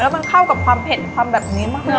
แล้วก็เข้ากับความแผนแบบนี้มาก